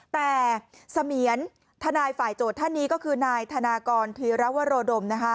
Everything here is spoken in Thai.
แต่เสมียนทนายฝ่ายโจทย์ท่านนี้ก็คือนายธนากรธีรวโรดมนะคะ